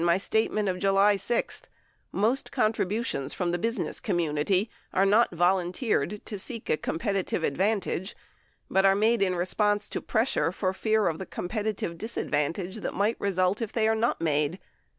451 my statement of July 6, most contributions from the business community are not volunteered to seek: a competitive advan tage, but are made in response to pressure for fear of tbe com petitive disadvantage that might result if they are not made.